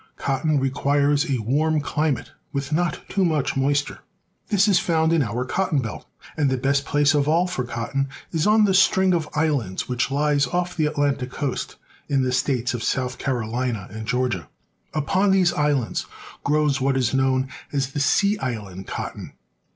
Cotton requires a warm climate with not too much mois ture. This is found in our cotton belt, and the best place of all for cotton is on the string of islands which lies off the Atlantic coast in the states of South Carolina and Gqorgia. Upon these islands grows what is known as the sea island cotton.